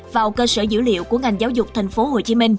vào cơ sở dữ liệu của ngành giáo dục tp hcm